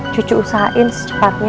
cucu usahain secepatnya